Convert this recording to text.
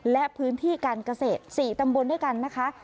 และพื้นที่การเกษตร๔ตำบลด้วยกันนะคะ